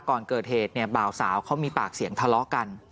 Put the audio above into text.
ก่อนเกิดเหตุเนี่ยบ่าวสาวเขามีปากเสียงทะเลาะกัน